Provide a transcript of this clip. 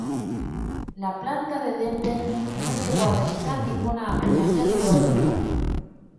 La planta de Denver no llegó a realizar ninguna acuñación de oro.